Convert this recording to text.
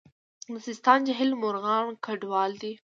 د سیستان جهیل مرغان کډوال دي